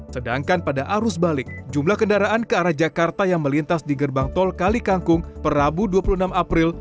sedangkan pada arus balik jumlah kendaraan ke arah jakarta yang melintas di gerbang tol kali kangkung perabu dua puluh enam april